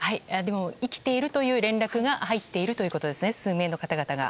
生きているという連絡が入っているということですね。